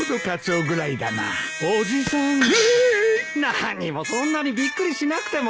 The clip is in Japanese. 何もそんなにびっくりしなくても。